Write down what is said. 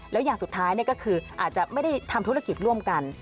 แล้วอย่างสุดท้ายก็คืออาจจะไม่ได้ทำธุรกิจร่วมกัน